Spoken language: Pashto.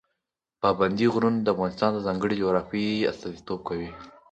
پابندي غرونه د افغانستان د ځانګړې جغرافیې استازیتوب کوي.